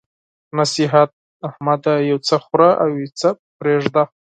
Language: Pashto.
نصيحت: احمده! یو څه خوره او يو څه پرېږده.